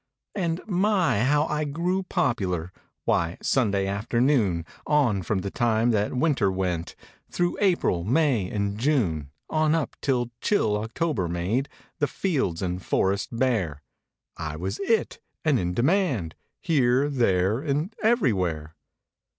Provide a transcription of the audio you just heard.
And, my, how I grew popular! Why, Sunday afternoon On from the time that winter went; Through April, May and June, On up 'till chill October made The "fields and forests bare," I was it and in demand Here, there, and everywhere.